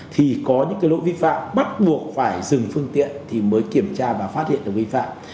thì có những lỗi vi phạm bắt buộc phải dừng phương tiện thì mới kiểm tra và phát hiện được vi phạm